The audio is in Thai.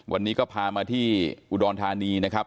วันนี้ก็พามาที่อุดรธานีนะครับ